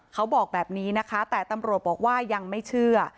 เขาบอกแบบนี้นะคะแต่ตำรวจบอกว่ายังไม่เชื่อ